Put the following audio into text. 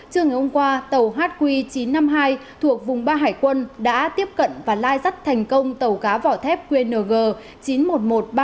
trưa ngày hôm qua tàu hq chín trăm năm mươi hai thuộc vùng ba hải quân đã tiếp cận và lai dắt thành công tàu cá vỏ thép qng chín mươi một nghìn một trăm ba mươi một ts